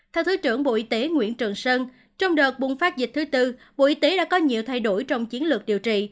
theo thứ trưởng bộ y tế nguyễn trường sơn trong đợt bùng phát dịch thứ tư bộ y tế đã có nhiều thay đổi trong chiến lược điều trị